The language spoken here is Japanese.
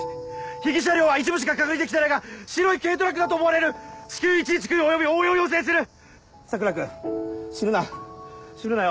被疑車両は一部しか確認できてないが白い軽トラックだと思われる至急１１９および応援を要請する桜君死ぬな死ぬなよ